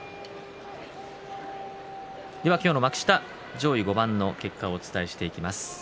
今日の幕下上位５番の結果をお伝えしていきます。